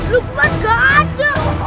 lukman gak ada